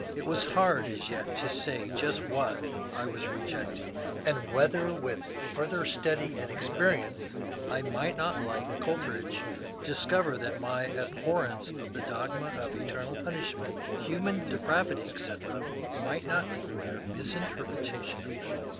It was hard as yet to say just what I was rejecting, and whether with further study and experience I might not like Coleridge discover that my abhorrence of the dogmas of eternal punishment, human depravity, etc., might not be mere misinterpretation of them.